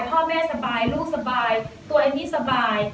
พ่อแม่สบายลูกสบายตัวเอมมี่สบาย